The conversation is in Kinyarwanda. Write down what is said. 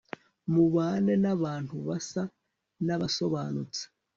mubane nabantu basa nabasobanutse